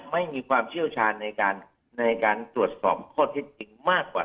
ไม่มีความเชี่ยวชาญในการในการตรวจสอบข้อเท็จจริงมากกว่า